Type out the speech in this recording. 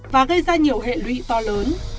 và gây ra nhiều hệ lụy to lớn